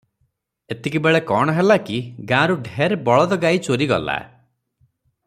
ଏତିକିବେଳେ କଣ ହେଲା କି ଗାଁରୁ ଢେର ବଳଦ ଗାଈ ଚୋରି ଗଲା ।